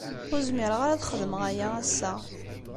Ur zmireɣ ara ad xedmeɣ aya ass-a.